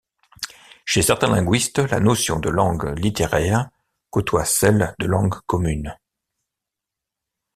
Chez certains linguistes, la notion de langue littéraire côtoie celle de langue commune.